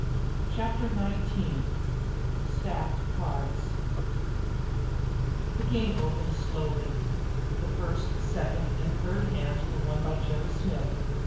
Chapter Nineteen Stacked Cards The game opened slowly. The first, second, and third hands were won by Jerry Smith.